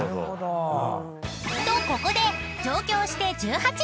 ［とここで上京して１８年］